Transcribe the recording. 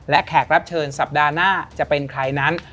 และแขกรับเชิญสัปดาห์หน้าจะเป็นใครนั้น